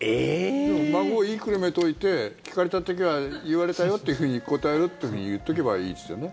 でも孫を言いくるめておいて聞かれた時は言われたよっていうふうに答えるって言っておけばいいですよね。